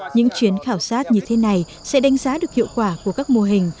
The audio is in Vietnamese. những chuyến khảo sát như thế này sẽ đánh giá được hiệu quả của các mô hình